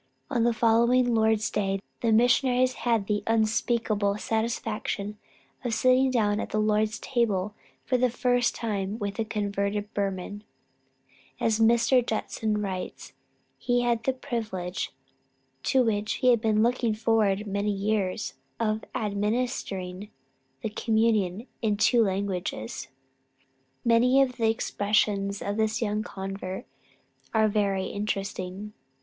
On the following Lord's day, the missionaries had the unspeakable satisfaction of sitting down at the Lord's table for the first time with a converted Burman; and as Mr. Judson writes, he had the privilege to which he had been looking forward many years, of administering the communion in two languages. Many of the expressions of this young convert are very interesting.